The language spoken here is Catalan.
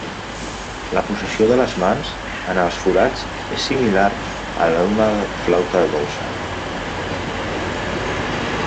La posició de les mans en els forats és similar a la d'una flauta dolça.